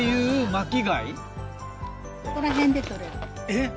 えっ？